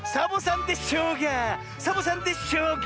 サボさんで「しょうが」！